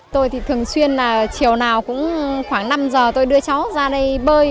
tôi thì thường xuyên là chiều nào cũng khoảng năm giờ tôi đưa cháu ra đây bơi